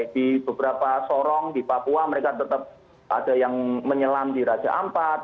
di beberapa sorong di papua mereka tetap ada yang menyelam di raja ampat